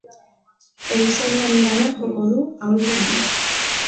Erizainarengana joko dut aholku bila.